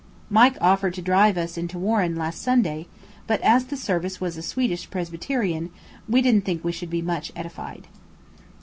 Mike offered to drive us into Warren last Sunday; but as the service was a Swedish Presbyterian, we didn't think we should be much edified.